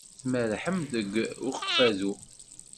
Tmerrḥem deg Ukfadu?